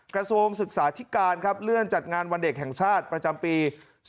กระทรวงศึกษาธิการครับเลื่อนจัดงานวันเด็กแห่งชาติประจำปี๒๕๖